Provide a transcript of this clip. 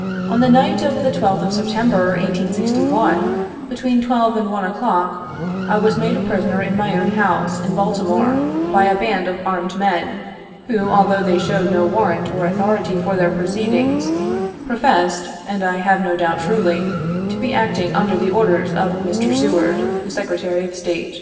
" On the night of the 12th of September, 1861, between 12 and 1 o'clock, I was made prisoner in my own house, in Baltimore, by a band of armed men, who, although they showed no warrant or authority for their proceedings, professed, and I have no doubt truly, to be acting under the orders of Mr. Seward, the Secretary of State.